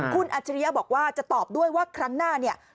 คุณอัจฉริยะบอกว่าจะตอบด้วยว่าครั้งหน้าเนี่ย